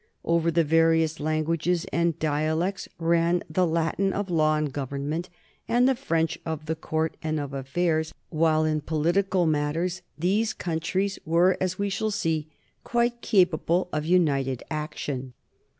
Over the various languages and dia lects ran the Latin of law and government and the French of the court and of affairs; while in political matters THE NORMAN EMPIRE 89 these countries were, as we shall see, quite capable of united action.